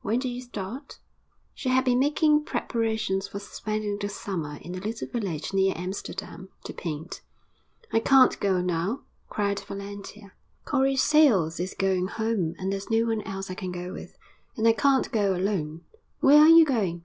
'When do you start?' She had been making preparations for spending the summer in a little village near Amsterdam, to paint. 'I can't go now,' cried Valentia. 'Corrie Sayles is going home, and there's no one else I can go with. And I can't go alone. Where are you going?'